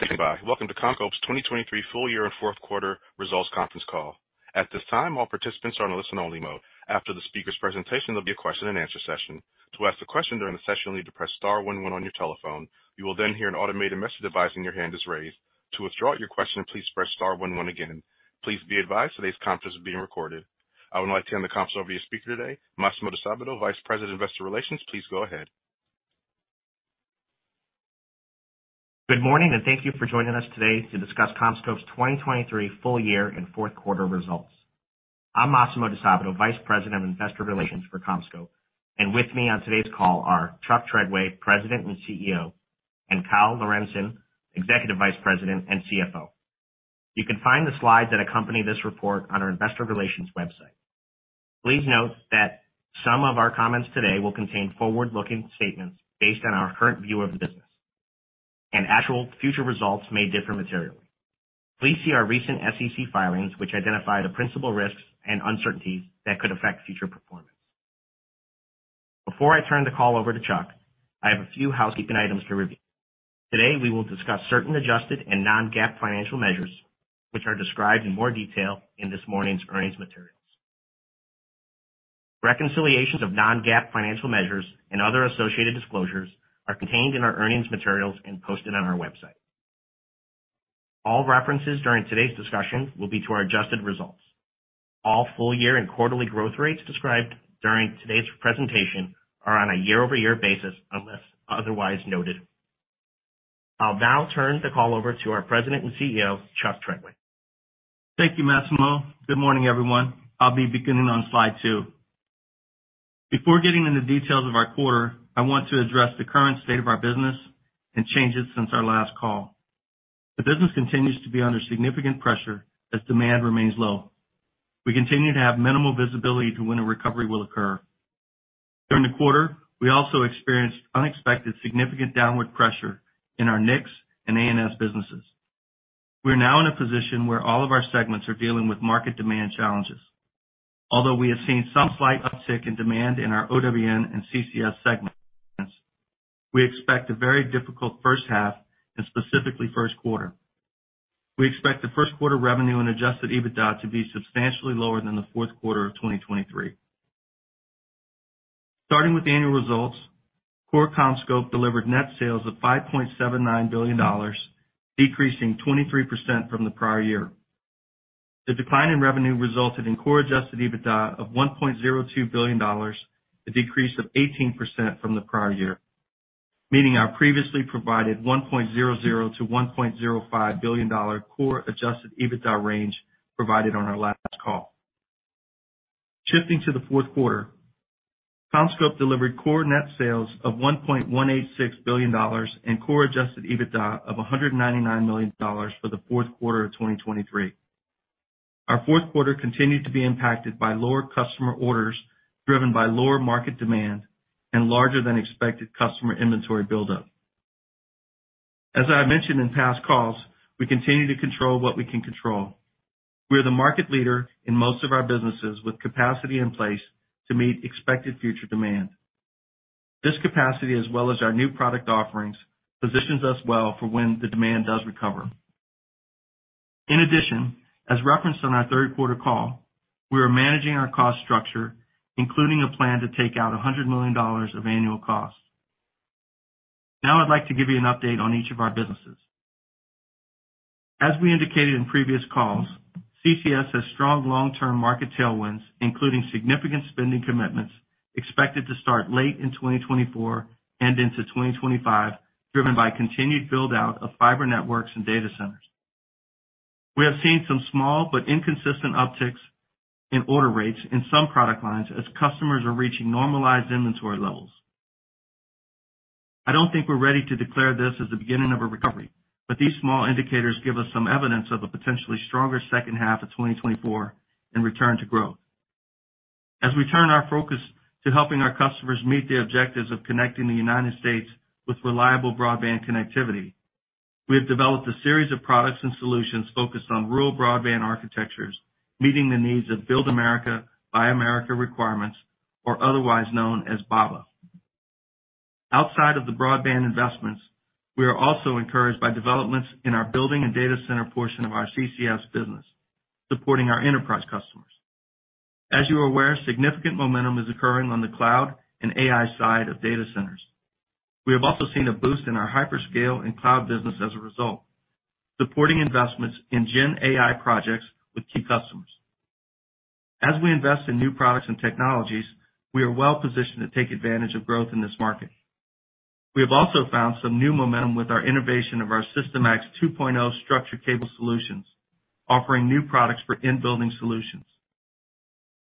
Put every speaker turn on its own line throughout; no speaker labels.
Thank you, bye. Welcome to CommScope's 2023 full year and fourth quarter results conference call. At this time, all participants are on a listen only mode. After the speaker's presentation, there'll be a question-and-answer session. To ask a question during the session, you'll need to press star one one on your telephone. You will then hear an automated message advising your hand is raised. To withdraw your question, please press star one one again. Please be advised, today's conference is being recorded. I would like to hand the conference over to your speaker today, Massimo Disabato, Vice President, Investor Relations. Please go ahead.
Good morning, and thank you for joining us today to discuss CommScope's 2023 full year and fourth quarter results. I'm Massimo Disabato, Vice President of Investor Relations for CommScope, and with me on today's call are Chuck Treadway, President and CEO, and Kyle Lorentzen, Executive Vice President and CFO. You can find the slides that accompany this report on our investor relations website. Please note that some of our comments today will contain forward-looking statements based on our current view of the business, and actual future results may differ materially. Please see our recent SEC filings, which identify the principal risks and uncertainties that could affect future performance. Before I turn the call over to Chuck, I have a few housekeeping items to review. Today, we will discuss certain adjusted and non-GAAP financial measures, which are described in more detail in this morning's earnings materials. Reconciliations of non-GAAP financial measures and other associated disclosures are contained in our earnings materials and posted on our website. All references during today's discussion will be to our adjusted results. All full year and quarterly growth rates described during today's presentation are on a year-over-year basis, unless otherwise noted. I'll now turn the call over to our President and CEO, Chuck Treadway.
Thank you, Massimo. Good morning, everyone. I'll be beginning on slide 2. Before getting into details of our quarter, I want to address the current state of our business and changes since our last call. The business continues to be under significant pressure as demand remains low. We continue to have minimal visibility to when a recovery will occur. During the quarter, we also experienced unexpected significant downward pressure in our NICS and ANS businesses. We are now in a position where all of our segments are dealing with market demand challenges. Although we have seen some slight uptick in demand in our OWN and CCS segments, we expect a very difficult first half and specifically first quarter. We expect the first quarter revenue and adjusted EBITDA to be substantially lower than the fourth quarter of 2023. Starting with annual results, core CommScope delivered net sales of $5.79 billion, decreasing 23% from the prior year. The decline in revenue resulted in core Adjusted EBITDA of $1.02 billion, a decrease of 18% from the prior year, meeting our previously provided $1.00 billion-$1.05 billion core Adjusted EBITDA range provided on our last call. Shifting to the fourth quarter, CommScope delivered core net sales of $1.186 billion and core Adjusted EBITDA of $199 million for the fourth quarter of 2023. Our fourth quarter continued to be impacted by lower customer orders, driven by lower market demand and larger than expected customer inventory buildup. As I mentioned in past calls, we continue to control what we can control. We are the market leader in most of our businesses, with capacity in place to meet expected future demand. This capacity, as well as our new product offerings, positions us well for when the demand does recover. In addition, as referenced on our third quarter call, we are managing our cost structure, including a plan to take out $100 million of annual costs. Now, I'd like to give you an update on each of our businesses. As we indicated in previous calls, CCS has strong long-term market tailwinds, including significant spending commitments, expected to start late in 2024 and into 2025, driven by continued build-out of fiber networks and data centers. We have seen some small but inconsistent upticks in order rates in some product lines as customers are reaching normalized inventory levels. I don't think we're ready to declare this as the beginning of a recovery, but these small indicators give us some evidence of a potentially stronger second half of 2024 and return to growth. As we turn our focus to helping our customers meet the objectives of connecting the United States with reliable broadband connectivity, we have developed a series of products and solutions focused on rural broadband architectures, meeting the needs of Build America, Buy America requirements, or otherwise known as BABA. Outside of the broadband investments, we are also encouraged by developments in our building and data center portion of our CCS business, supporting our enterprise customers. As you are aware, significant momentum is occurring on the cloud and AI side of data centers. We have also seen a boost in our hyperscale and cloud business as a result, supporting investments in GenAI projects with key customers. As we invest in new products and technologies, we are well positioned to take advantage of growth in this market. We have also found some new momentum with our innovation of our SYSTIMAX 2.0 structured cable solutions, offering new products for in-building solutions.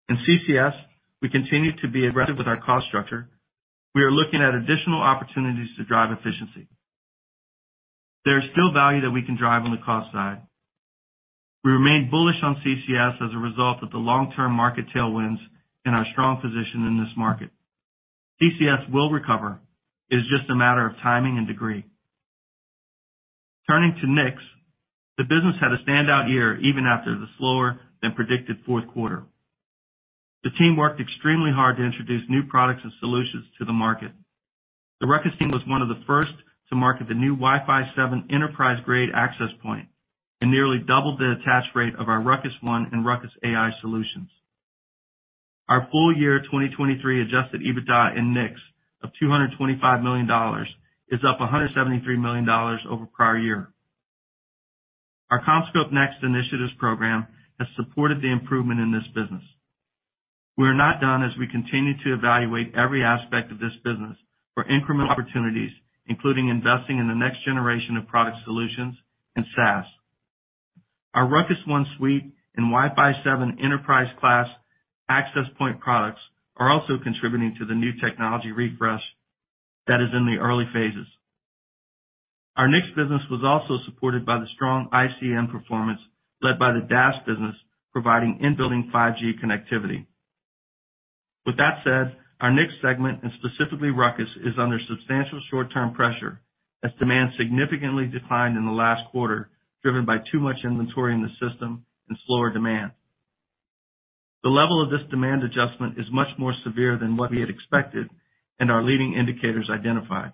In CCS, we continue to be aggressive with our cost structure. We are looking at additional opportunities to drive efficiency. There is still value that we can drive on the cost side. We remain bullish on CCS as a result of the long-term market tailwinds and our strong position in this market. CCS will recover. It is just a matter of timing and degree. Turning to NICS, the business had a standout year, even after the slower than predicted fourth quarter. The team worked extremely hard to introduce new products and solutions to the market. The RUCKUS team was one of the first to market the new Wi-Fi 7 enterprise-grade access point, and nearly doubled the attach rate of our RUCKUS One and RUCKUS AI solutions. Our full year 2023 Adjusted EBITDA in NICS of $225 million is up $173 million over prior year. Our CommScope Next Initiatives program has supported the improvement in this business. We are not done as we continue to evaluate every aspect of this business for incremental opportunities, including investing in the next generation of product solutions and SaaS. Our RUCKUS One Suite and Wi-Fi 7 enterprise class access point products are also contributing to the new technology refresh that is in the early phases. Our NICS business was also supported by the strong ICN performance, led by the DAS business, providing in-building 5G connectivity. With that said, our NICS segment, and specifically RUCKUS, is under substantial short-term pressure as demand significantly declined in the last quarter, driven by too much inventory in the system and slower demand. The level of this demand adjustment is much more severe than what we had expected and our leading indicators identified.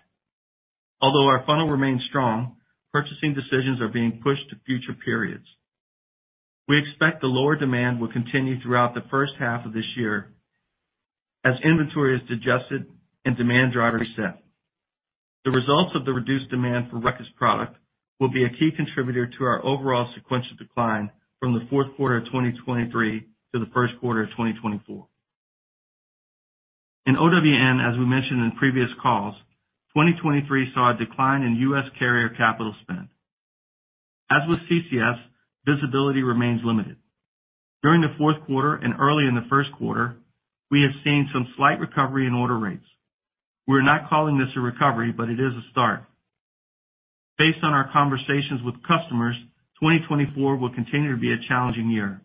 Although our funnel remains strong, purchasing decisions are being pushed to future periods. We expect the lower demand will continue throughout the first half of this year as inventory is digested and demand drivers set. The results of the reduced demand for RUCKUS product will be a key contributor to our overall sequential decline from the fourth quarter of 2023 to the first quarter of 2024. In OWN, as we mentioned in previous calls, 2023 saw a decline in U.S. carrier capital spend. As with CCS, visibility remains limited. During the fourth quarter and early in the first quarter, we have seen some slight recovery in order rates. We're not calling this a recovery, but it is a start. Based on our conversations with customers, 2024 will continue to be a challenging year.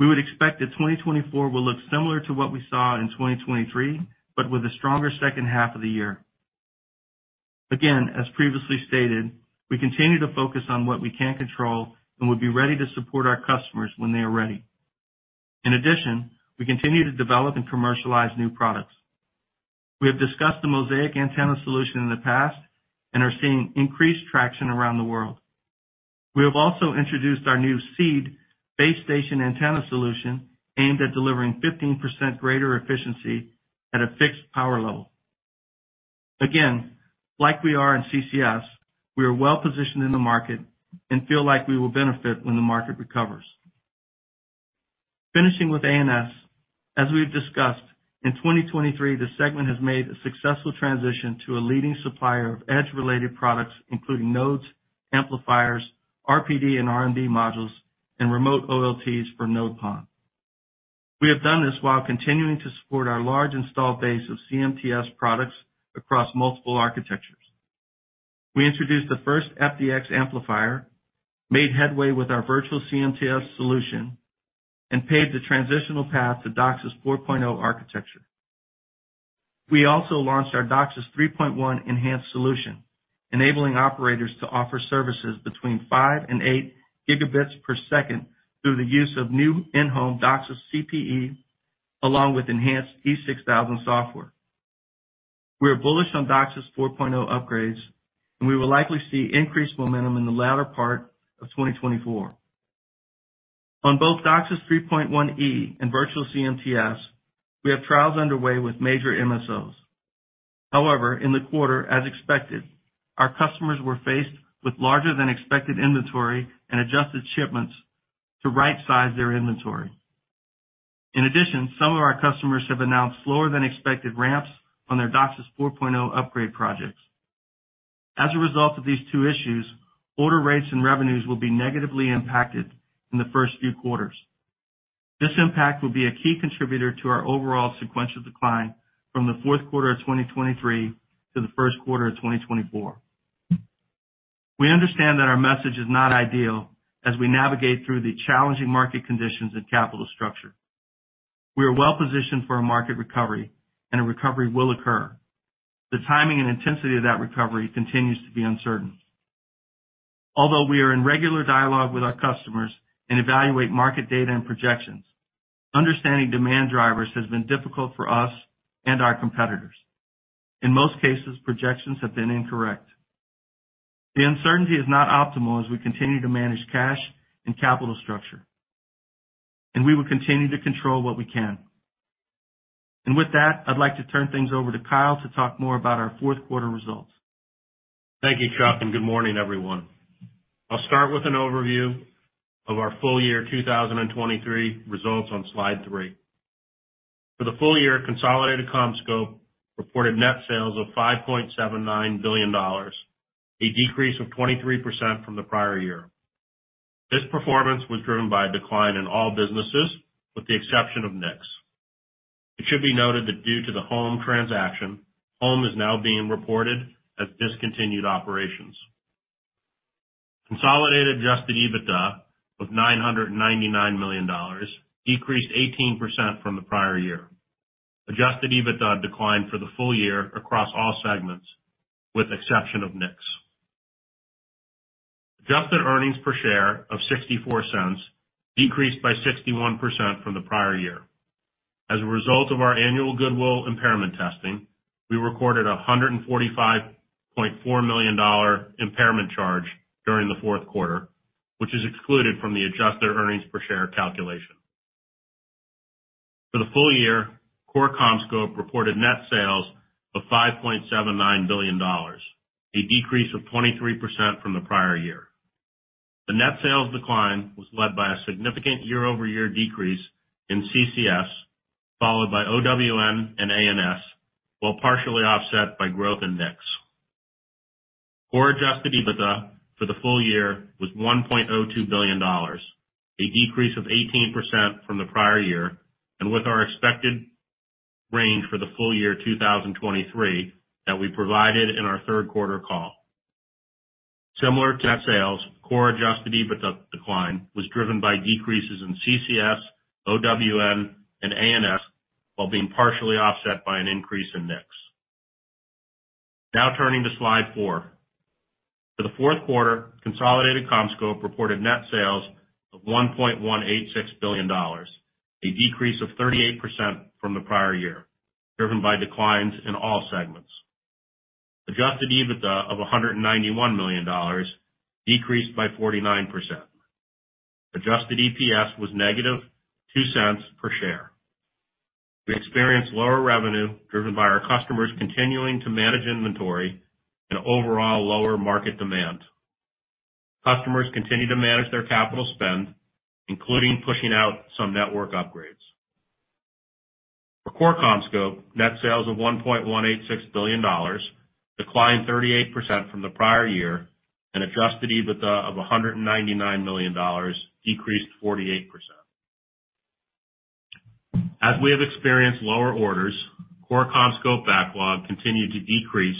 We would expect that 2024 will look similar to what we saw in 2023, but with a stronger second half of the year. Again, as previously stated, we continue to focus on what we can control and we'll be ready to support our customers when they are ready. In addition, we continue to develop and commercialize new products. We have discussed the Mosaic antenna solution in the past and are seeing increased traction around the world. We have also introduced our new SEAD base station antenna solution, aimed at delivering 15% greater efficiency at a fixed power level. Again, like we are in CCS, we are well positioned in the market and feel like we will benefit when the market recovers. Finishing with ANS, as we've discussed, in 2023, the segment has made a successful transition to a leading supplier of edge-related products, including nodes, amplifiers, RPD and RMD modules, and remote OLTs for Node PON. We have done this while continuing to support our large installed base of CMTS products across multiple architectures. We introduced the first FDX amplifier, made headway with our virtual CMTS solution, and paved the transitional path to DOCSIS 4.0 architecture. We also launched our DOCSIS 3.1 enhanced solution, enabling operators to offer services between 5 Gb/s-8 Gb/s through the use of new in-Home DOCSIS CPE, along with enhanced E6000 software. We are bullish on DOCSIS 4.0 upgrades, and we will likely see increased momentum in the latter part of 2024. On both DOCSIS 3.1E and virtual CMTS, we have trials underway with major MSOs. However, in the quarter, as expected, our customers were faced with larger than expected inventory and adjusted shipments to rightsize their inventory. In addition, some of our customers have announced slower than expected ramps on their DOCSIS 4.0 upgrade projects. As a result of these two issues, order rates and revenues will be negatively impacted in the first few quarters. This impact will be a key contributor to our overall sequential decline from the fourth quarter of 2023 to the first quarter of 2024. We understand that our message is not ideal as we navigate through the challenging market conditions and capital structure. We are well positioned for a market recovery, and a recovery will occur. The timing and intensity of that recovery continues to be uncertain. Although we are in regular dialogue with our customers and evaluate market data and projections, understanding demand drivers has been difficult for us and our competitors. In most cases, projections have been incorrect. The uncertainty is not optimal as we continue to manage cash and capital structure, and we will continue to control what we can. With that, I'd like to turn things over to Kyle to talk more about our fourth quarter results.
Thank you, Chuck, and good morning, everyone. I'll start with an overview of our full year 2023 results on slide 3. For the full year, consolidated CommScope reported net sales of $5.79 billion, a decrease of 23% from the prior year. This performance was driven by a decline in all businesses, with the exception of NICS. It should be noted that due to the Home transaction, Home is now being reported as discontinued operations. Consolidated adjusted EBITDA of $999 million, decreased 18% from the prior year. Adjusted EBITDA declined for the full year across all segments, with exception of NICS. Adjusted earnings per share of $0.64 decreased by 61% from the prior year. As a result of our annual goodwill impairment testing, we recorded a $145.4 million impairment charge during the fourth quarter, which is excluded from the adjusted earnings per share calculation. For the full year, Core CommScope reported net sales of $5.79 billion, a decrease of 23% from the prior year. The net sales decline was led by a significant year-over-year decrease in CCS, followed by OWN and ANS, while partially offset by growth in NICS. Core adjusted EBITDA for the full year was $1.02 billion, a decrease of 18% from the prior year, and with our expected range for the full year 2023 that we provided in our third quarter call. Similar to net sales, core Adjusted EBITDA decline was driven by decreases in CCS, OWN, and ANS, while being partially offset by an increase in NICS. Now turning to Slide 4. For the fourth quarter, consolidated CommScope reported net sales of $1.186 billion, a decrease of 38% from the prior year, driven by declines in all segments. Adjusted EBITDA of $191 million decreased by 49%. Adjusted EPS was -$0.02 per share. We experienced lower revenue driven by our customers continuing to manage inventory and overall lower market demand. Customers continue to manage their capital spend, including pushing out some network upgrades. For Core CommScope, net sales of $1.186 billion declined 38% from the prior year, and Adjusted EBITDA of $199 million decreased 48%. As we have experienced lower orders, core CommScope backlog continued to decrease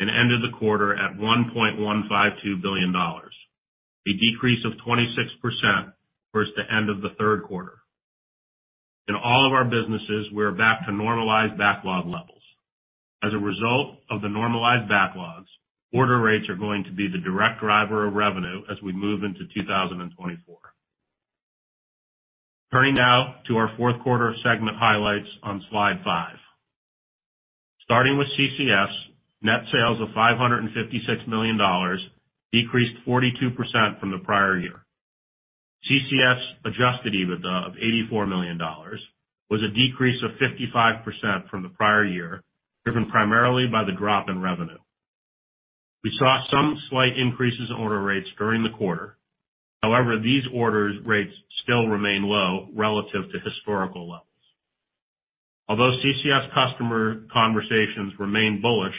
and ended the quarter at $1.152 billion, a decrease of 26% versus the end of the third quarter. In all of our businesses, we're back to normalized backlog levels. As a result of the normalized backlogs, order rates are going to be the direct driver of revenue as we move into 2024. Turning now to our fourth quarter segment highlights on Slide 5. Starting with CCS, net sales of $556 million decreased 42% from the prior year. CCS Adjusted EBITDA of $84 million was a decrease of 55% from the prior year, driven primarily by the drop in revenue. We saw some slight increases in order rates during the quarter. However, these order rates still remain low relative to historical levels. Although CCS customer conversations remain bullish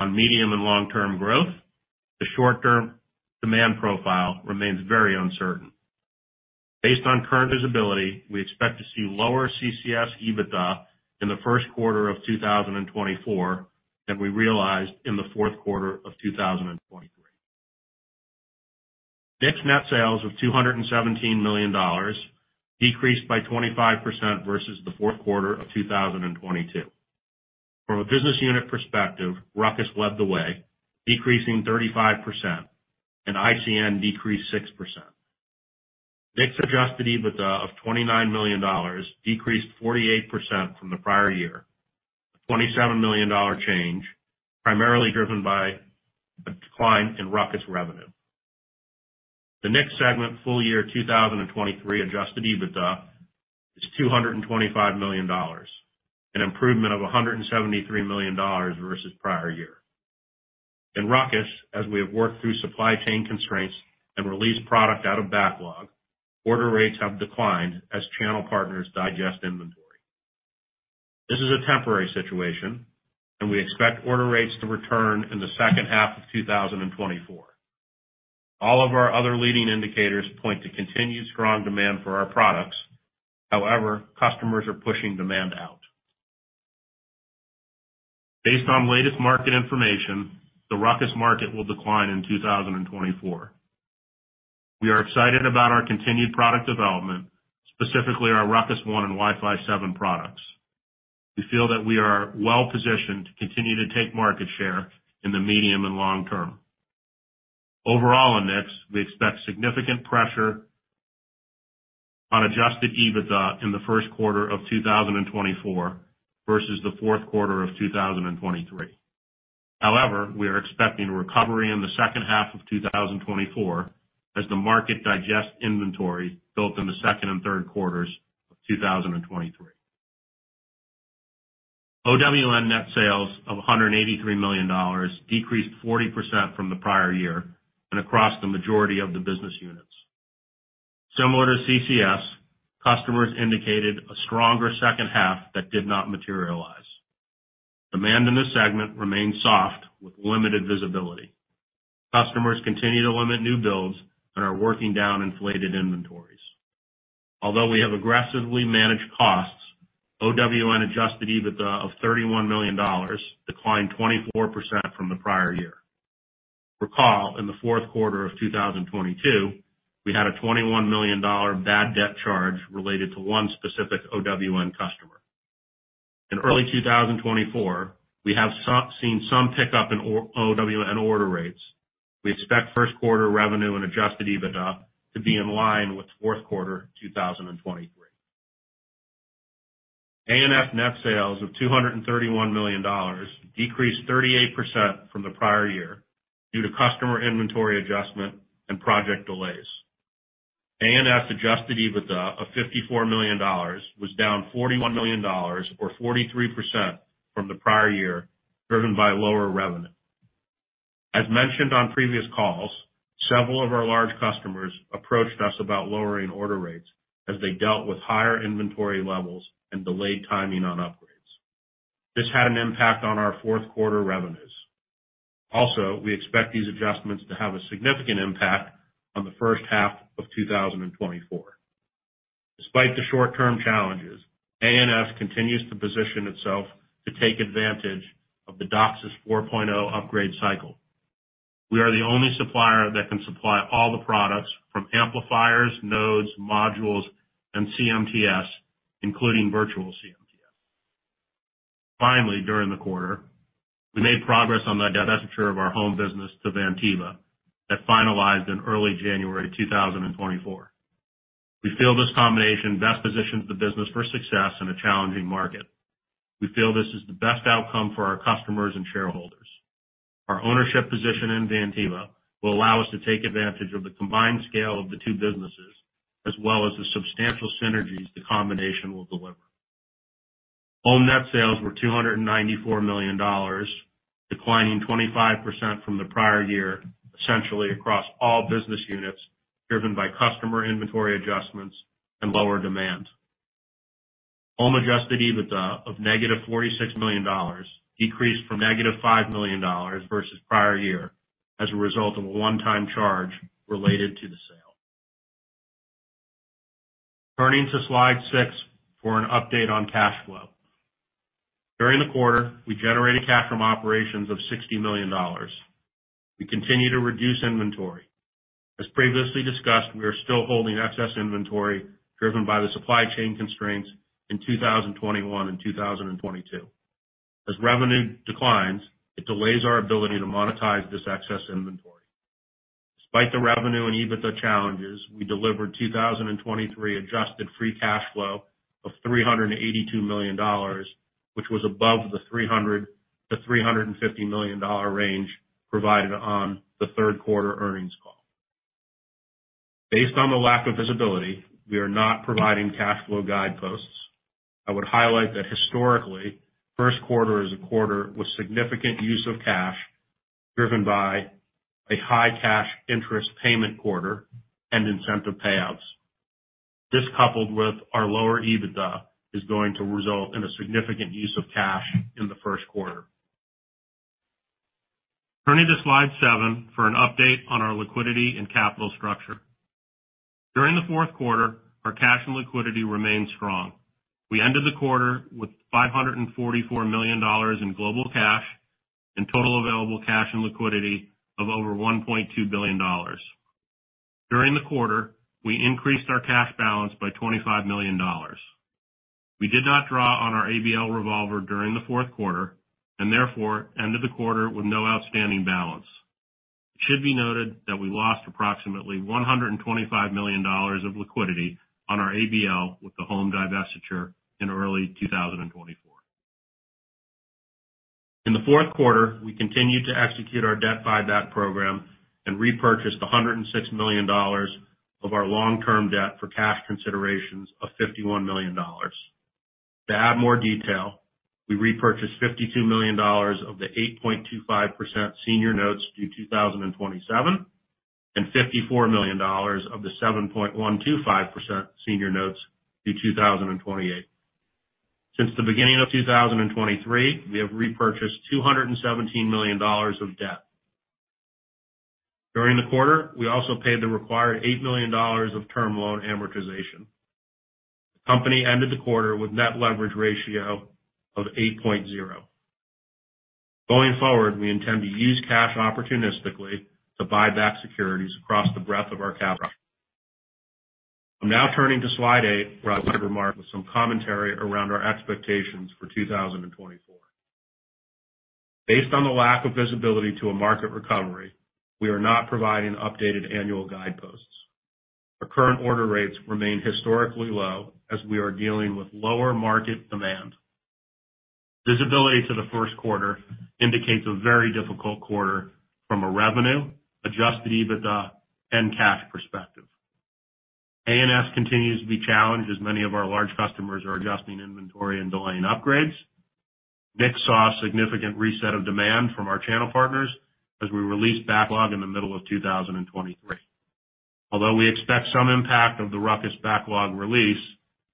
on medium- and long-term growth, the short-term demand profile remains very uncertain. Based on current visibility, we expect to see lower CCS EBITDA in the first quarter of 2024 than we realized in the fourth quarter of 2023. NICS net sales of $217 million decreased by 25% versus the fourth quarter of 2022. From a business unit perspective, RUCKUS led the way, decreasing 35%, and ICN decreased 6%. NICS adjusted EBITDA of $29 million decreased 48% from the prior year. A $27 million change, primarily driven by a decline in RUCKUS revenue. The NICS segment full year 2023 adjusted EBITDA is $225 million, an improvement of $173 million versus prior year. In RUCKUS, as we have worked through supply chain constraints and released product out of backlog, order rates have declined as channel partners digest inventory. This is a temporary situation, and we expect order rates to return in the second half of 2024. All of our other leading indicators point to continued strong demand for our products. However, customers are pushing demand out. Based on latest market information, the RUCKUS market will decline in 2024. We are excited about our continued product development, specifically our RUCKUS One and Wi-Fi 7 products. We feel that we are well positioned to continue to take market share in the medium and long term. Overall in NICS, we expect significant pressure on adjusted EBITDA in the first quarter of 2024 versus the fourth quarter of 2023. However, we are expecting a recovery in the second half of 2024 as the market digests inventory built in the second and third quarters of 2023. OWN net sales of $183 million decreased 40% from the prior year and across the majority of the business units. Similar to CCS, customers indicated a stronger second half that did not materialize. Demand in this segment remains soft, with limited visibility. Customers continue to limit new builds and are working down inflated inventories. Although we have aggressively managed costs, OWN adjusted EBITDA of $31 million declined 24% from the prior year. Recall, in the fourth quarter of 2022, we had a $21 million bad debt charge related to one specific OWN customer. In early 2024, we've seen some pickup in our OWN order rates. We expect first quarter revenue and Adjusted EBITDA to be in line with fourth quarter 2023. ANS net sales of $231 million decreased 38% from the prior year due to customer inventory adjustment and project delays. ANS Adjusted EBITDA of $54 million was down $41 million, or 43% from the prior year, driven by lower revenue. As mentioned on previous calls, several of our large customers approached us about lowering order rates as they dealt with higher inventory levels and delayed timing on upgrades. This had an impact on our fourth quarter revenues. Also, we expect these adjustments to have a significant impact on the first half of 2024. Despite the short-term challenges, ANS continues to position itself to take advantage of the DOCSIS 4.0 upgrade cycle. We are the only supplier that can supply all the products from amplifiers, nodes, modules, and CMTS, including virtual CMTS. Finally, during the quarter, we made progress on the divestiture of our Home business to Vantiva that finalized in early January 2024. We feel this combination best positions the business for success in a challenging market. We feel this is the best outcome for our customers and shareholders. Our ownership position in Vantiva will allow us to take advantage of the combined scale of the two businesses, as well as the substantial synergies the combination will deliver. Home net sales were $294 million, declining 25% from the prior year, essentially across all business units, driven by customer inventory adjustments and lower demand. Home adjusted EBITDA of -$46 million decreased from -$5 million versus prior year as a result of a one-time charge related to the sale. Turning to Slide 6 for an update on cash flow. During the quarter, we generated cash from operations of $60 million. We continue to reduce inventory. As previously discussed, we are still holding excess inventory driven by the supply chain constraints in 2021 and 2022. As revenue declines, it delays our ability to monetize this excess inventory. Despite the revenue and EBITDA challenges, we delivered 2023 adjusted free cash flow of $382 million, which was above the $300 million-$350 million range provided on the third quarter earnings call. Based on the lack of visibility, we are not providing cash flow guideposts. I would highlight that historically, first quarter is a quarter with significant use of cash, driven by a high cash interest payment quarter and incentive payouts. This, coupled with our lower EBITDA, is going to result in a significant use of cash in the first quarter. Turning to Slide 7 for an update on our liquidity and capital structure. During the fourth quarter, our cash and liquidity remained strong. We ended the quarter with $544 million in global cash and total available cash and liquidity of over $1.2 billion. During the quarter, we increased our cash balance by $25 million. We did not draw on our ABL revolver during the fourth quarter, and therefore, ended the quarter with no outstanding balance. It should be noted that we lost approximately $125 million of liquidity on our ABL with the Home divestiture in early 2024. In the fourth quarter, we continued to execute our debt buyback program and repurchased $106 million of our long-term debt for cash considerations of $51 million. To add more detail, we repurchased $52 million of the 8.25% senior notes due 2027, and $54 million of the 7.125% senior notes due 2028. Since the beginning of 2023, we have repurchased $217 million of debt. During the quarter, we also paid the required $8 million of term loan amortization. The company ended the quarter with net leverage ratio of 8.0. Going forward, we intend to use cash opportunistically to buy back securities across the breadth of our capital. I'm now turning to Slide 8, where I would remark with some commentary around our expectations for 2024. Based on the lack of visibility to a market recovery, we are not providing updated annual guideposts. Our current order rates remain historically low as we are dealing with lower market demand. Visibility to the first quarter indicates a very difficult quarter from a revenue, Adjusted EBITDA, and cash perspective. ANS continues to be challenged as many of our large customers are adjusting inventory and delaying upgrades. NICS saw a significant reset of demand from our channel partners as we released backlog in the middle of 2023. Although we expect some impact of the Ruckus backlog release,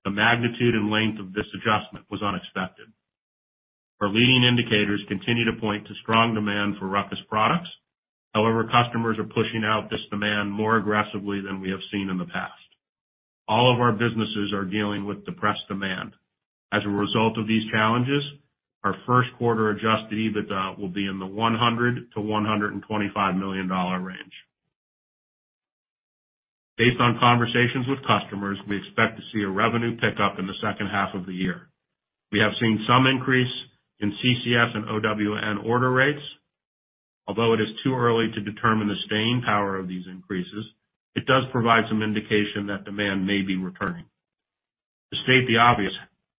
the magnitude and length of this adjustment was unexpected. Our leading indicators continue to point to strong demand for Ruckus products. However, customers are pushing out this demand more aggressively than we have seen in the past. All of our businesses are dealing with depressed demand. As a result of these challenges, our first quarter Adjusted EBITDA will be in the $100 million-$125 million range. Based on conversations with customers, we expect to see a revenue pickup in the second half of the year. We have seen some increase in CCS and OWN order rates. Although it is too early to determine the staying power of these increases, it does provide some indication that demand may be returning. To state the obvious,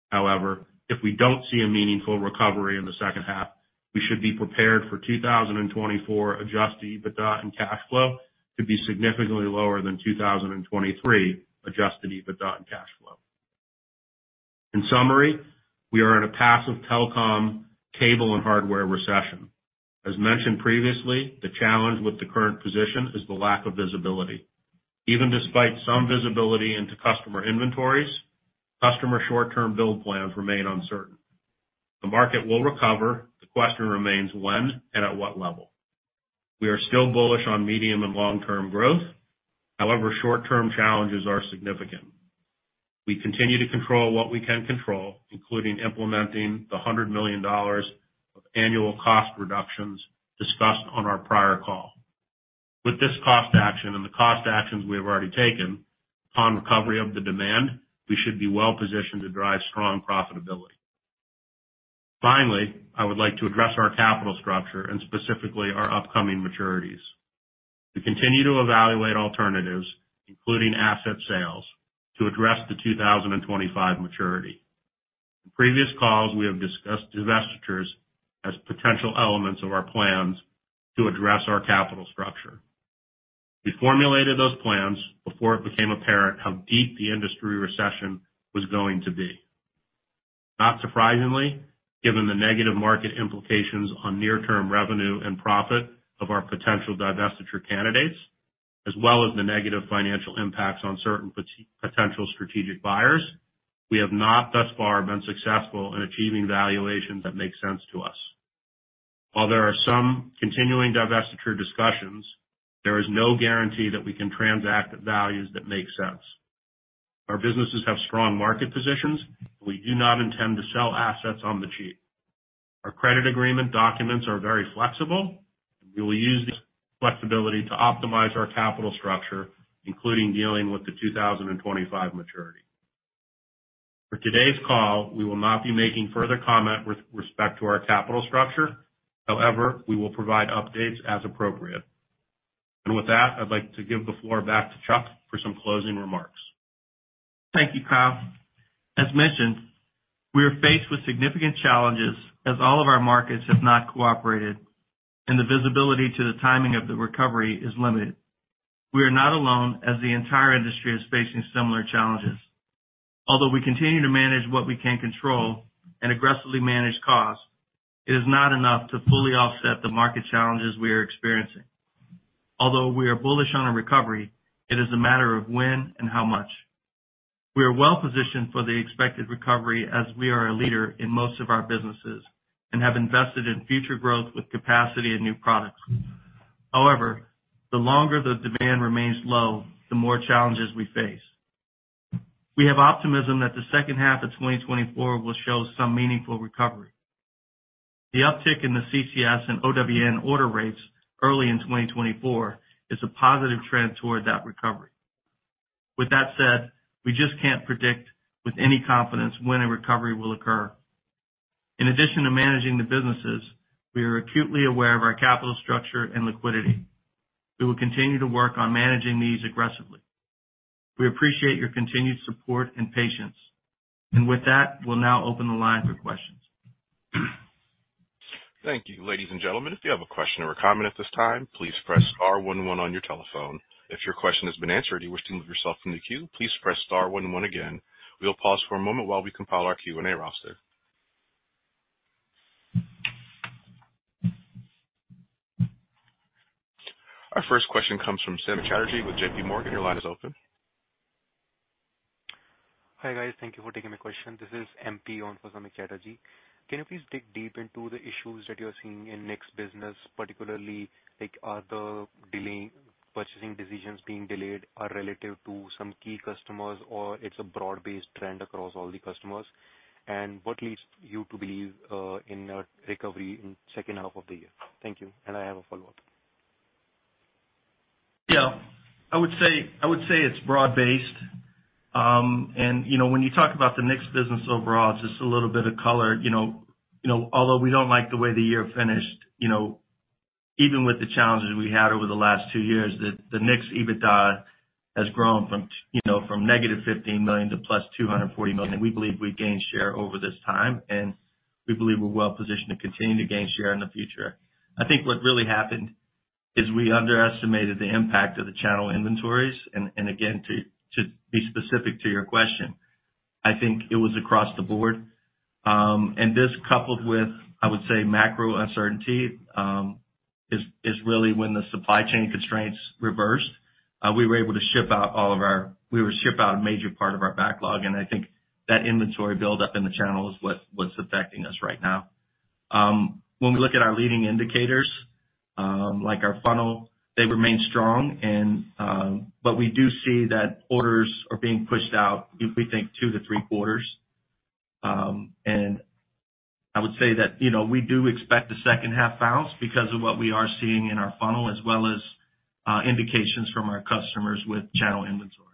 however, if we don't see a meaningful recovery in the second half, we should be prepared for 2024 adjusted EBITDA and cash flow to be significantly lower than 2023 adjusted EBITDA and cash flow. In summary, we are in a passive telecom, cable, and hardware recession. As mentioned previously, the challenge with the current position is the lack of visibility. Even despite some visibility into customer inventories, customer short-term build plans remain uncertain. The market will recover. The question remains when and at what level? We are still bullish on medium and long-term growth; however, short-term challenges are significant. We continue to control what we can control, including implementing the $100 million of annual cost reductions discussed on our prior call. With this cost action and the cost actions we have already taken, upon recovery of the demand, we should be well positioned to drive strong profitability. Finally, I would like to address our capital structure and specifically our upcoming maturities. We continue to evaluate alternatives, including asset sales, to address the 2025 maturity. In previous calls, we have discussed divestitures as potential elements of our plans to address our capital structure. We formulated those plans before it became apparent how deep the industry recession was going to be. Not surprisingly, given the negative market implications on near-term revenue and profit of our potential divestiture candidates, as well as the negative financial impacts on certain potential strategic buyers, we have not thus far been successful in achieving valuations that make sense to us. While there are some continuing divestiture discussions, there is no guarantee that we can transact at values that make sense. Our businesses have strong market positions. We do not intend to sell assets on the cheap. Our credit agreement documents are very flexible, and we will use this flexibility to optimize our capital structure, including dealing with the 2025 maturity. For today's call, we will not be making further comment with respect to our capital structure. However, we will provide updates as appropriate. With that, I'd like to give the floor back to Chuck for some closing remarks.
Thank you, Kyle. As mentioned, we are faced with significant challenges as all of our markets have not cooperated, and the visibility to the timing of the recovery is limited. We are not alone, as the entire industry is facing similar challenges. Although we continue to manage what we can control and aggressively manage costs, it is not enough to fully offset the market challenges we are experiencing. Although we are bullish on a recovery, it is a matter of when and how much. We are well positioned for the expected recovery, as we are a leader in most of our businesses and have invested in future growth with capacity and new products. However, the longer the demand remains low, the more challenges we face. We have optimism that the second half of 2024 will show some meaningful recovery. The uptick in the CCS and OWN order rates early in 2024 is a positive trend toward that recovery. With that said, we just can't predict with any confidence when a recovery will occur. In addition to managing the businesses, we are acutely aware of our capital structure and liquidity. We will continue to work on managing these aggressively. We appreciate your continued support and patience. With that, we'll now open the line for questions.
Thank you. Ladies and gentlemen, if you have a question or comment at this time, please press star one one on your telephone. If your question has been answered and you wish to remove yourself from the queue, please press star one one again. We'll pause for a moment while we compile our Q&A roster. Our first question comes from Sam Chatterjee with JPMorgan. Your line is open.
Hi, guys. Thank you for taking my question. This is MP on for Sam Chatterjee. Can you please dig deep into the issues that you are seeing in NICS business, particularly, like, are purchasing decisions being delayed relative to some key customers, or it's a broad-based trend across all the customers? And what leads you to believe in a recovery in second half of the year? Thank you, and I have a follow-up.
Yeah, I would say, I would say it's broad-based. And, you know, when you talk about the NICS business overall, just a little bit of color, you know, you know, although we don't like the way the year finished, you know, even with the challenges we had over the last two years, the, the NICS EBITDA has grown from, you know, from -$15 million to +$240 million. We believe we gained share over this time, and we believe we're well positioned to continue to gain share in the future. I think what really happened is we underestimated the impact of the channel inventories, and, and again, to, to be specific to your question, I think it was across the board. And this, coupled with, I would say, macro uncertainty, is really when the supply chain constraints reversed, we were able to ship out all of our- we would ship out a major part of our backlog, and I think that inventory buildup in the channel is what's affecting us right now. When we look at our leading indicators, like our funnel, they remain strong and, but we do see that orders are being pushed out, we think 2-3 quarters. And I would say that, you know, we do expect a second half bounce because of what we are seeing in our funnel, as well as, indications from our customers with channel inventory.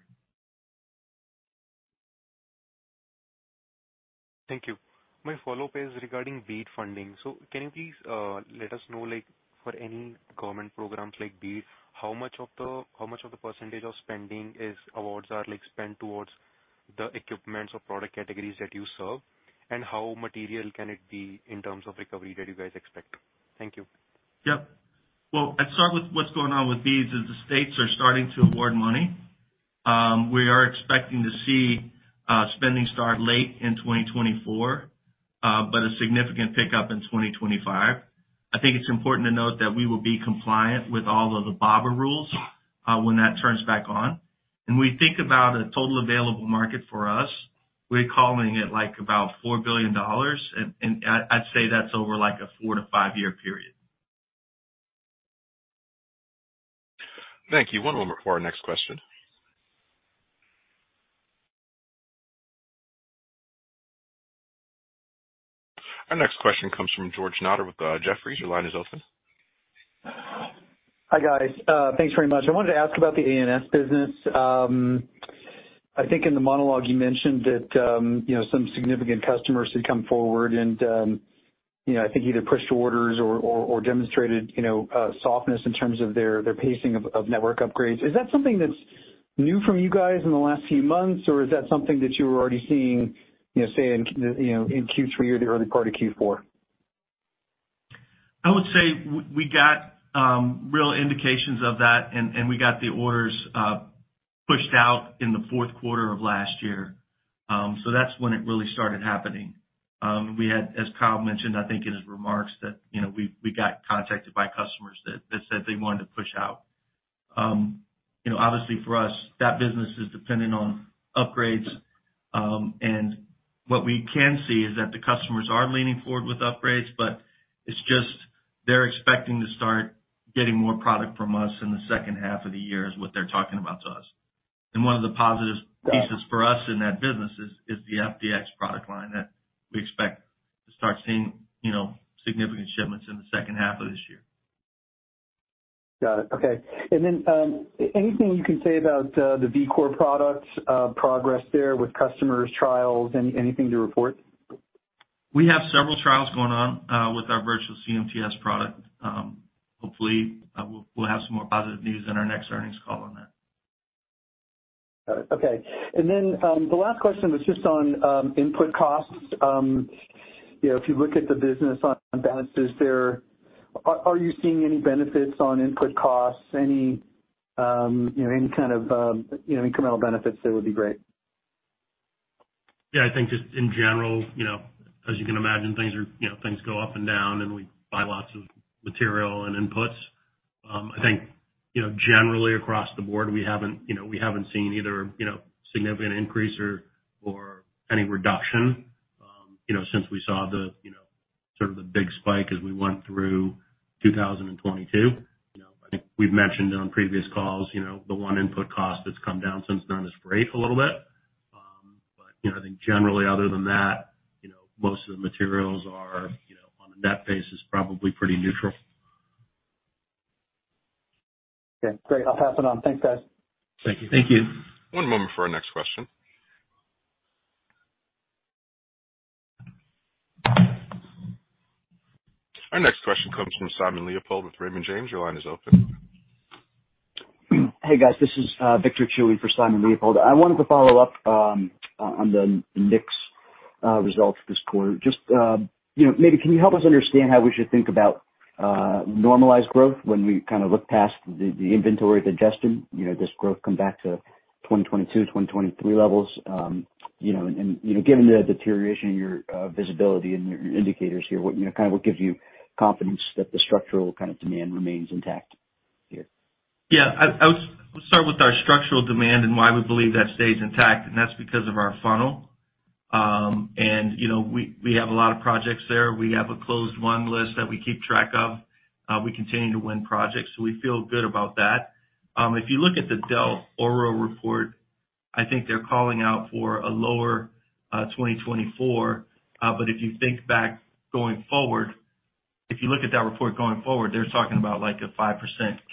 Thank you. My follow-up is regarding BEAD funding. So can you please let us know, like, for any government programs like BEAD, how much of the, how much of the percentage of spending is awards are, like, spent towards the equipment or product categories that you serve? And how material can it be in terms of recovery that you guys expect? Thank you.
Yep. Well, I'd start with what's going on with BEAD, is the states are starting to award money. We are expecting to see spending start late in 2024, but a significant pickup in 2025. I think it's important to note that we will be compliant with all of the BABA rules when that turns back on. When we think about a total available market for us, we're calling it, like, about $4 billion, and, and I'd, I'd say that's over like a 4- to 5-year period.
Thank you. One moment for our next question. Our next question comes from George Notter with Jefferies. Your line is open.
Hi, guys. Thanks very much. I wanted to ask about the ANS business. I think in the monologue you mentioned that, you know, some significant customers had come forward and, you know, I think either pushed orders or demonstrated, you know, softness in terms of their pacing of network upgrades. Is that something that's new from you guys in the last few months, or is that something that you were already seeing, you know, say in Q3 or the early part of Q4?
I would say we got real indications of that, and we got the orders pushed out in the fourth quarter of last year. So that's when it really started happening. We had, as Kyle mentioned, I think, in his remarks, that, you know, we got contacted by customers that said they wanted to push out. You know, obviously for us, that business is dependent on upgrades. And what we can see is that the customers are leaning forward with upgrades, but it's just they're expecting to start getting more product from us in the second half of the year, is what they're talking about to us. And one of the positive pieces for us in that business is the FDX product line that we expect to start seeing, you know, significant shipments in the second half of this year.
Got it. Okay. And then, anything you can say about the vCore products, progress there with customers, trials, anything to report?
We have several trials going on with our virtual CMTS product. Hopefully, we'll have some more positive news in our next earnings call on that.
Got it. Okay. And then, the last question was just on input costs. You know, if you look at the business on balance, is there... Are you seeing any benefits on input costs? Any, you know, any kind of incremental benefits there would be great.
Yeah, I think just in general, you know, as you can imagine, things are, you know, things go up and down, and we buy lots of material and inputs. I think, you know, generally across the board, we haven't, you know, we haven't seen either, you know, significant increase or any reduction, you know, since we saw the, you know, sort of the big spike as we went through 2022. You know, I think we've mentioned on previous calls, you know, the one input cost that's come down since then is freight a little bit. But, you know, I think generally, other than that, you know, most of the materials are, you know, on a net basis, probably pretty neutral.
Okay, great. I'll pass it on. Thanks, guys.
Thank you.
Thank you. One moment for our next question. Our next question comes from Simon Leopold with Raymond James. Your line is open.
Hey, guys, this is Victor Chiu for Simon Leopold. I wanted to follow up on the NICS results this quarter. Just, you know, maybe can you help us understand how we should think about normalized growth when we kind of look past the inventory digestion? You know, does growth come back to 2022, 2023 levels? You know, and, you know, given the deterioration in your visibility and your indicators here, what, you know, kind of what gives you confidence that the structural kind of demand remains intact here?
Yeah. I would start with our structural demand and why we believe that stays intact, and that's because of our funnel. And, you know, we have a lot of projects there. We have a closed won list that we keep track of. We continue to win projects, so we feel good about that. If you look at the Dell'Oro report, I think they're calling out for a lower 2024. But if you think back going forward, if you look at that report going forward, they're talking about like a 5%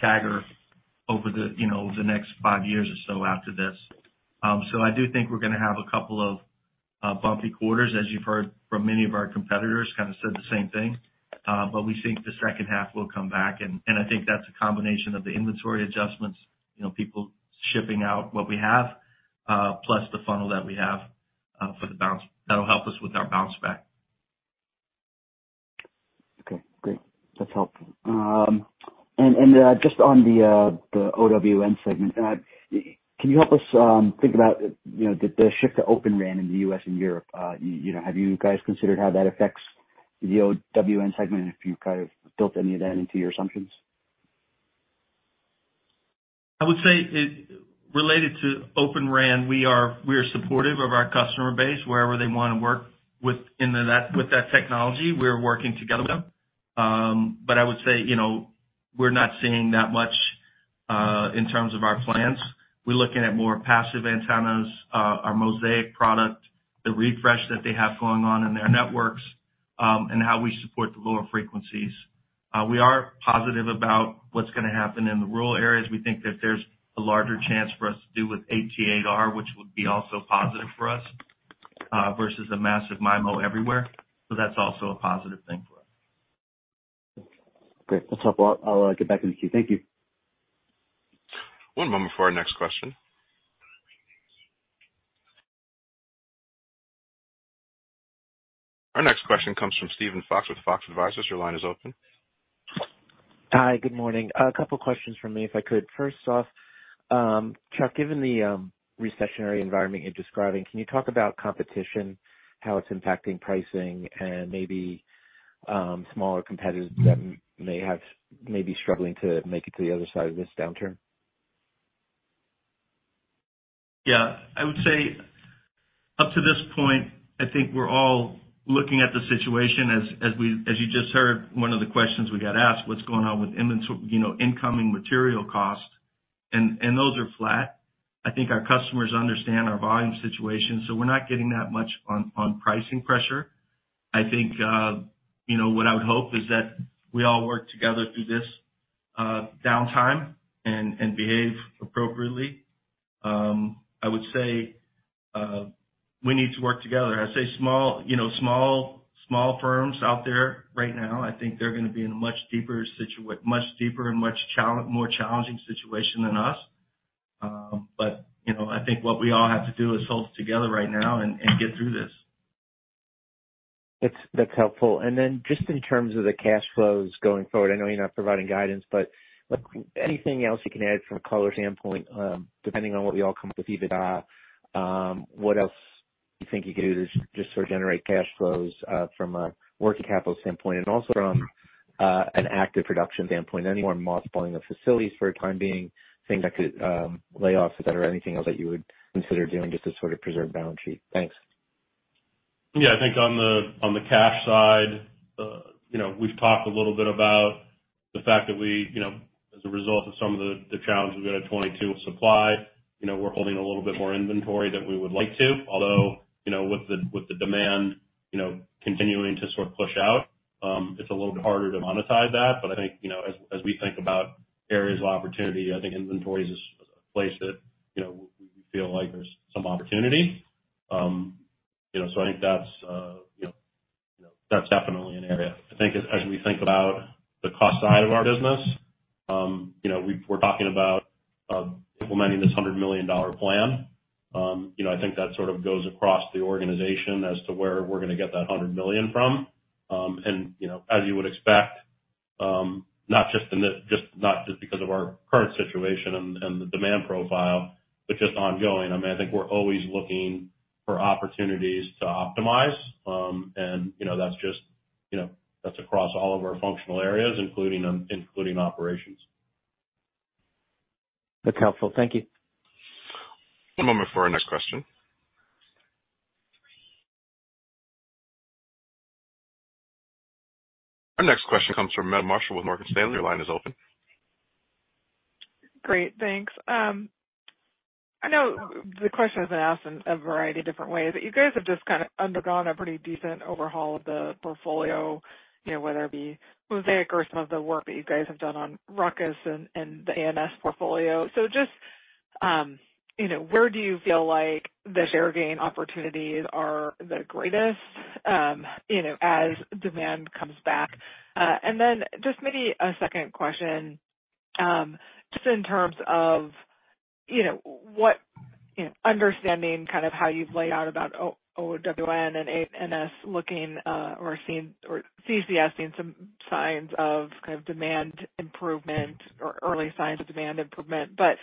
CAGR over the, you know, the next five years or so after this. So I do think we're gonna have a couple of bumpy quarters, as you've heard from many of our competitors, kind of said the same thing. But we think the second half will come back, and, and I think that's a combination of the inventory adjustments, you know, people shipping out what we have, plus the funnel that we have, for the bounce. That'll help us with our bounce back.
Okay, great. That's helpful. And just on the OWN segment, can you help us think about, you know, the shift to Open RAN in the US and Europe? You know, have you guys considered how that affects the OWN segment, and if you've kind of built any of that into your assumptions?
I would say, related to Open RAN, we are supportive of our customer base wherever they want to work with in that, with that technology. We're working together with them. But I would say, you know, we're not seeing that much in terms of our plans. We're looking at more passive antennas, our Mosaic product, the refresh that they have going on in their networks, and how we support the lower frequencies. We are positive about what's gonna happen in the rural areas. We think that there's a larger chance for us to do with 8T8R, which would be also positive for us, versus the massive MIMO everywhere, so that's also a positive thing for us.
Great. That's helpful. I'll get back in the queue.
Thank you. One moment before our next question. Our next question comes from Steven Fox with Fox Advisors. Your line is open.
Hi, good morning. A couple questions from me, if I could. First off, Chuck, given the recessionary environment you're describing, can you talk about competition, how it's impacting pricing, and maybe smaller competitors that may be struggling to make it to the other side of this downturn?
Yeah. I would say up to this point, I think we're all looking at the situation as you just heard, one of the questions we got asked, "What's going on with inventory, you know, incoming material costs?" And those are flat. I think our customers understand our volume situation, so we're not getting that much on pricing pressure. I think, you know, what I would hope is that we all work together through this downtime and behave appropriately. I would say we need to work together. I'd say small, you know, small firms out there right now, I think they're gonna be in a much deeper and much more challenging situation than us. But, you know, I think what we all have to do is hold it together right now and get through this.
That's helpful. Then just in terms of the cash flows going forward, I know you're not providing guidance, but like, anything else you can add from a color standpoint, depending on what we all come up with EBITDA, what else you think you could do to just sort of generate cash flows, from a working capital standpoint? And also from, an active production standpoint, anyone mothballing the facilities for a time being, things like, layoffs or anything else that you would consider doing just to sort of preserve the balance sheet? Thanks.
Yeah, I think on the cash side, you know, we've talked a little bit about the fact that we, you know, as a result of some of the challenges we've got in 2022 with supply, you know, we're holding a little bit more inventory than we would like to, although, you know, with the demand, you know, continuing to sort of push out, it's a little bit harder to monetize that. But I think, you know, as we think about areas of opportunity, I think inventory is a place that, you know, we feel like there's some opportunity. So I think that's, you know, that's definitely an area. I think as we think about the cost side of our business, you know, we're talking about implementing this $100 million plan. You know, I think that sort of goes across the organization as to where we're gonna get that $100 million from. You know, as you would expect, not just because of our current situation and the demand profile, but just ongoing. I mean, I think we're always looking for opportunities to optimize. You know, that's just, you know, that's across all of our functional areas, including operations.
That's helpful. Thank you.
One moment for our next question. Our next question comes from Meta Marshall with Morgan Stanley. Your line is open.
Great, thanks. I know the question has been asked in a variety of different ways, but you guys have just kind of undergone a pretty decent overhaul of the portfolio, you know, whether it be Mosaic or some of the work that you guys have done on RUCKUS and, and the ANS portfolio. So just, you know, where do you feel like the share gain opportunities are the greatest, you know, as demand comes back? And then just maybe a second question, just in terms of, you know, what, you know, understanding kind of how you've laid out about OWN and ANS looking, or seeing or CCS seeing some signs of kind of demand improvement or early signs of demand improvement, but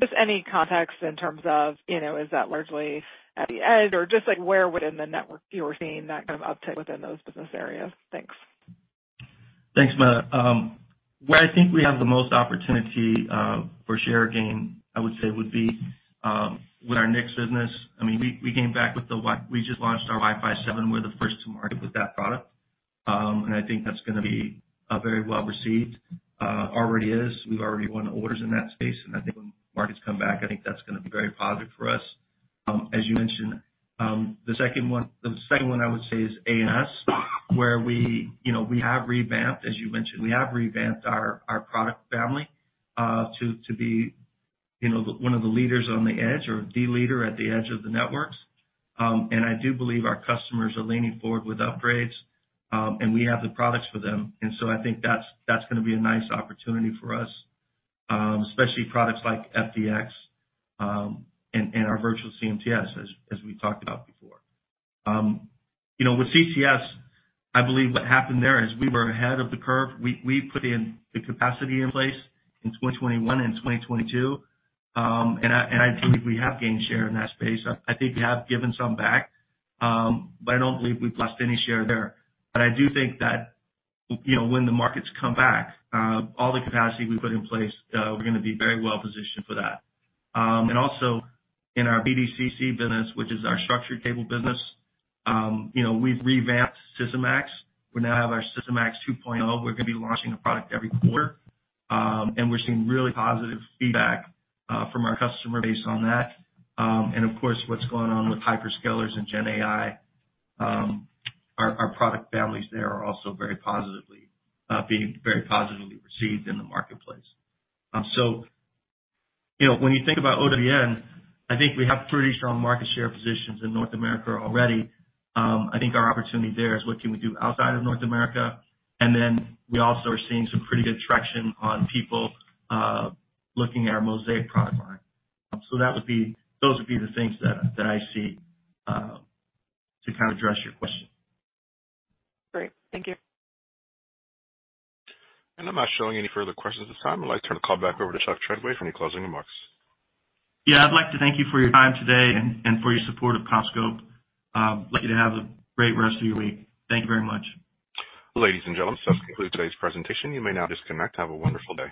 just any context in terms of, you know, is that largely at the edge? Just, like, where within the network you are seeing that kind of uptick within those business areas? Thanks.
Thanks, Meta. Where I think we have the most opportunity for share gain, I would say, would be with our NICS business. I mean, we just launched our Wi-Fi 7. We're the first to market with that product. And I think that's gonna be very well received. Already is. We've already won orders in that space, and I think when markets come back, I think that's gonna be very positive for us. As you mentioned, the second one, the second one I would say is ANS, where we, you know, we have revamped, as you mentioned, we have revamped our product family to be, you know, one of the leaders on the edge or the leader at the edge of the networks. And I do believe our customers are leaning forward with upgrades, and we have the products for them. And so I think that's gonna be a nice opportunity for us, especially products like FDX, and our virtual CMTS, as we talked about before. You know, with CMTS, I believe what happened there is we were ahead of the curve. We put in the capacity in place in 2021 and 2022, and I believe we have gained share in that space. I think we have given some back, but I don't believe we've lost any share there. But I do think that, you know, when the markets come back, all the capacity we put in place, we're gonna be very well positioned for that. And also in our BDCC business, which is our structured cable business, you know, we've revamped SYSTIMAX. We now have our SYSTIMAX 2.0. We're gonna be launching a product every quarter. And we're seeing really positive feedback from our customer base on that. And of course, what's going on with hyperscalers and GenAI, our product families there are also very positively being very positively received in the marketplace. So, you know, when you think about OWN, I think we have pretty strong market share positions in North America already. I think our opportunity there is what can we do outside of North America? And then we also are seeing some pretty good traction on people looking at our Mosaic product line. So that would be those would be the things that, that I see, to kind of address your question.
Great. Thank you.
I'm not showing any further questions at this time. I'd like to turn the call back over to Chuck Treadway for any closing remarks.
Yeah, I'd like to thank you for your time today and for your support of CommScope. Like you to have a great rest of your week. Thank you very much.
Ladies and gentlemen, this concludes today's presentation. You may now disconnect. Have a wonderful day.